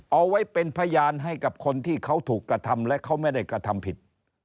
เอาไว้เป็นพยานให้กับคนที่เขาถูกกระทำและเขาไม่ได้กระทำผิด